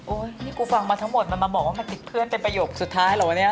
โอ๊ยนี่กูฟังมาทั้งหมดมันเปิดมันแดกเพื่อนเป็นประโยคสุดท้ายหรือวะเนี้ย